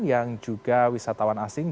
yang juga wisatawan afrika utara